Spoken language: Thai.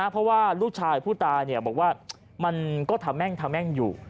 เพราะว่าลูกชายผู้ตายบอกว่ามันก็ทะแม่งทะแม่งอยู่